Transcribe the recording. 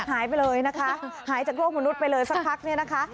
หายไปเลยนะคะหายจากโรคมนุษย์ไปเลยสักพักเนี่ยนะคะ